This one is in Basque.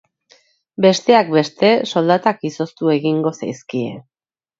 Besteak beste, soldatak izoztu egingo zaizkie.